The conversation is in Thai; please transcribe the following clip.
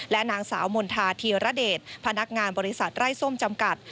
นางสาวมณฑาธีรเดชพนักงานบริษัทไร้ส้มจำกัด